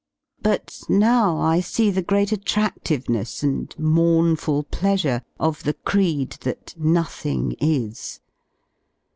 But now I see the great attradliveness and mournful pleasure of the creed that nothing is.